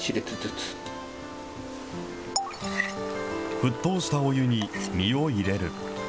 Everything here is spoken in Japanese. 沸騰したお湯に実を入れる。